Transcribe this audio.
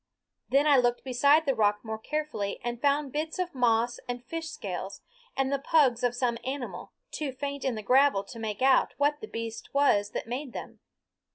Then I looked beside the rock more carefully and found bits of moss and fish scales, and the pugs of some animal, too faint in the gravel to make out what the beast was that made them.